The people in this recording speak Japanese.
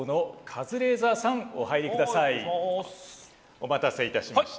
お待たせいたしました。